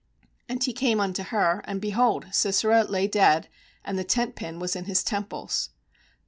And he came unto her; and, behold, Sisera lay dead, and the tent pin was in his temples.